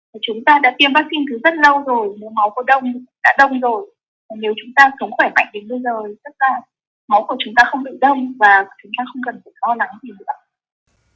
tất cả máu của chúng ta không bị đông và chúng ta không cần phải lo lắng gì nữa